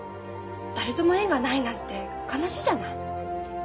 誰とも縁がないなんて悲しいじゃない。